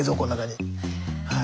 はい。